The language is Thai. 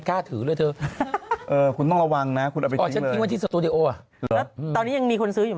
แล้วตอนนี้ยังมีคนซื้ออยู่ไหม